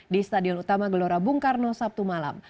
di stadion utama gelora bung karno sabtu malam